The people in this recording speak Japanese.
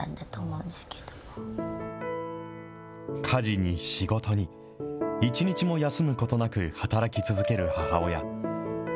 家事に仕事に、１日も休むことなく働き続ける母親。